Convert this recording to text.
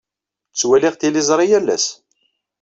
Ttwaliɣ tiliẓri yal ass.